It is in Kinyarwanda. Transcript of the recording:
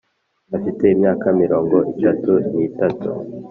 afite imyaka mirongo itatu n'itatu.